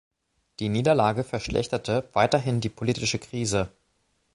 Die Niederlage verschlechterte weiterhin die politische Krise.